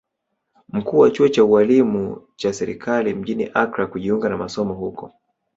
Mkuu wa chuo cha ualimu cha serikali mjini Accra kujiunga na masomo huko